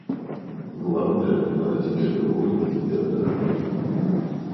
Главное, надо теперь поужинать и отдохнуть.